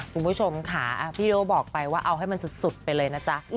คุณผู้ชมค่ะพี่โด่บอกไปว่าเอาให้มันสุดไปเลยนะจ๊ะ